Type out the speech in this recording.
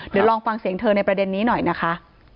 เดี๋ยวลองฟังเสียงเธอในประเด็นนี้หน่อยนะคะ